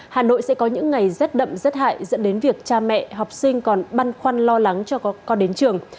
hà nội sẽ có những ngày rét đậm rét hại dẫn đến việc cha mẹ học sinh còn băn khoăn lo lắng cho con đến trường